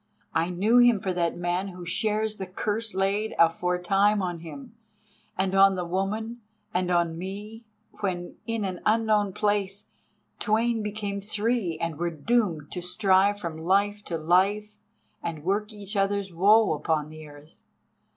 I knew him for that man who shares the curse laid aforetime on him, and on the woman, and on me, when, in an unknown place, twain became three and were doomed to strive from life to life and work each other's woe upon the earth.